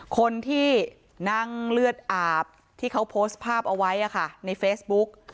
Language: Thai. คนที่นั่งเลือดอาบที่เขาโพสต์ภาพเอาไว้ในเฟซบุ๊ก